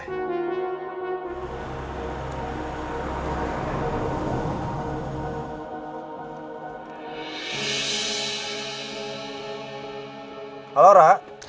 itu kan anaknya arroy